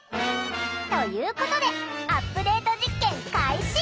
ということでアップデート実験開始！